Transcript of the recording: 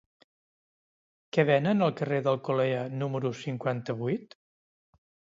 Què venen al carrer d'Alcolea número cinquanta-vuit?